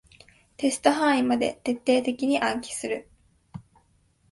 テスト範囲まで徹底的に暗記する